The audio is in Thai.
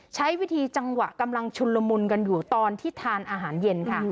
ใช้วิธีจังหวะกำลังชุนละมุนกันอยู่ตอนที่ทานอาหารเย็นค่ะ